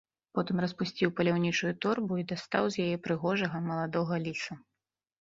Потым распусціў паляўнічую торбу і дастаў з яе прыгожага маладога ліса.